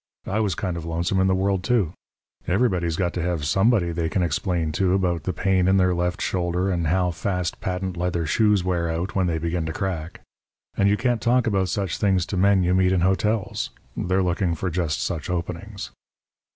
I was kind of lonesome in the world too. Everybody's got to have somebody they can explain to about the pain in their left shoulder and how fast patent leather shoes wear out when they begin to crack. And you can't talk about such things to men you meet in hotels they're looking for just such openings.